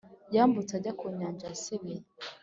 yambutse ajya ku nyanja ya sebeya